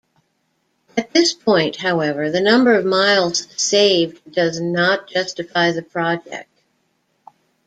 At this point, however, the number of miles saved does not justify the project.